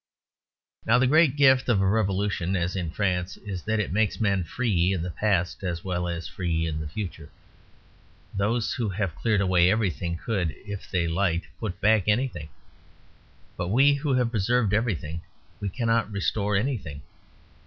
Now the great gift of a revolution (as in France) is that it makes men free in the past as well as free in the future. Those who have cleared away everything could, if they liked, put back everything. But we who have preserved everything we cannot restore anything.